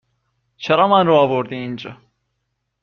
چرا من رو آوردی اینجا؟